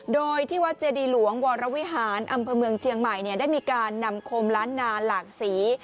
โดยที่วัดเจดีหลวงวรวิหารอำเภอเมืองเชียงใหม่ได้มีการนำคมล้านนาหลากสี